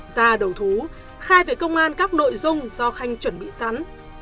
điều thú khai về công an các nội dung do khanh chuẩn bị sẵn